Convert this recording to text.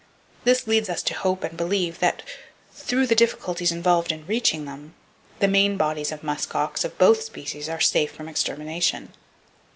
This leads us to hope and believe that, through the difficulties involved in reaching them, the main bodies of musk ox of both species are safe from extermination.